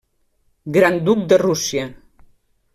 Gran duc de Rússia.